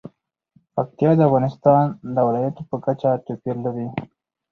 پکتیا د افغانستان د ولایاتو په کچه توپیر لري.